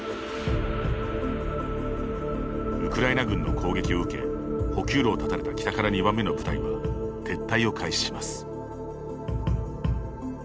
ウクライナ軍の攻撃を受け補給路を断たれた北から２番目の部隊は撤退を開始します。